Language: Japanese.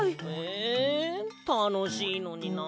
えたのしいのにな。